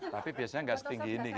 tapi biasanya nggak setinggi ini